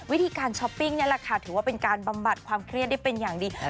วิธีการช้อปปิ้งนี่แหละค่ะถือว่าเป็นการบำบัดความเครียดได้เป็นอย่างดี